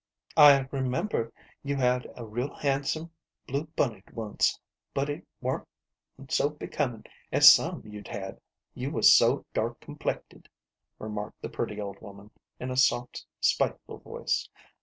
" I remember you had a real handsome blue bunnit once, but it warn't so becomin' as some you'd had, you was so dark complected," remarked the pretty old woman, in a soft, spiteful voice.